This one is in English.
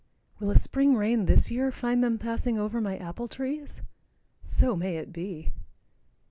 Will a spring rain this year find them passing over my apple trees? So may it be.